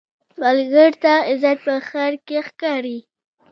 سوالګر ته عزت په خیر کې ښکاري